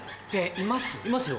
いますよ。